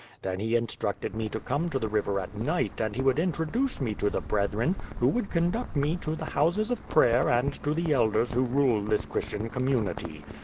Then he instructed me to come to the river at night and he would introduce me to the brethren, who would conduct me to the houses of prayer and to the elders who rule this Christian community.